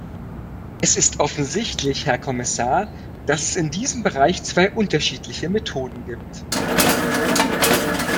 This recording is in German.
Es ist offensichtlich, Herr Kommissar, dass es in diesem Bereich zwei unterschiedliche Methoden gibt.